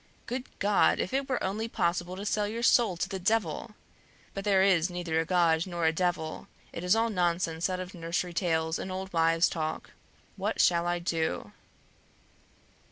Good God! if it were only possible to sell your soul to the Devil! But there is neither a God nor a Devil; it is all nonsense out of nursery tales and old wives' talk. What shall I do?"